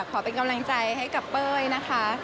ขอเป็นกำลังใจให้กับเป้ยนะคะ